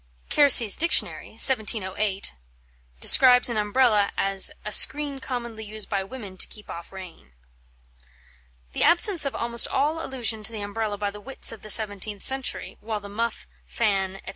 Kersey's Dictionary (1708) describes an Umbrella as a "screen commonly used by women to keep off rain." The absence of almost all allusion to the Umbrella by the wits of the seventeenth century, while the muff, fan, &c.